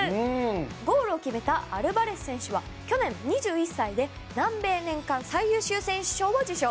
ゴールを決めたアルバレス選手は去年、２１歳で南米年間最優秀選手賞を受賞。